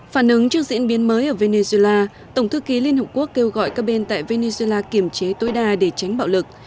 phản ứng trước diễn biến mới ở venezuela tổng thư ký liên hợp quốc kêu gọi các bên tại venezuela kiềm chế tối đa để tránh bạo lực